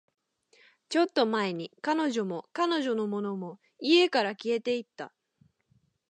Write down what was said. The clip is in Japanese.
ちょっと前に、彼女も、彼女のものも、家から消えていった